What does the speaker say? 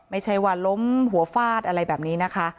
ไม่ใช่ว่าล้มหัวฟาดอะไรแบบนี้นะคะ